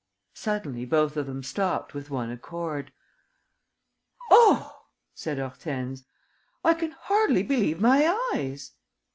Suddenly both of them stopped with one accord: "Oh!" said Hortense. "I can hardly believe my eyes!"